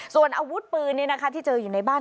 ส่วนอาวุธปืนที่เจออยู่ในบ้าน